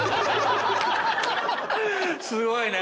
すごいね。